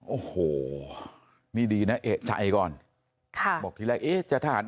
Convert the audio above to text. โอ้โหนี่ดีนะเอกใจก่อนค่ะบอกทีแรกเอ๊ะจะทหาร